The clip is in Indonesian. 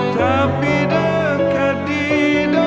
tapi dekat di doa